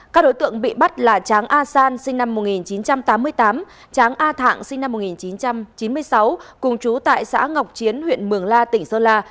các đối tượng bị bắt là tráng a san sinh năm một nghìn chín trăm tám mươi tám tráng a thạng sinh năm một nghìn chín trăm chín mươi sáu cùng chú tại xã ngọc chiến huyện mường la tỉnh sơn la